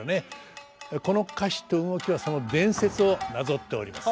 この歌詞と動きはその伝説をなぞっております。